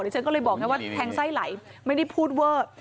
ฉันก็เลยบอกไงว่าแทงไส้ไหลไม่ได้พูดเวอร์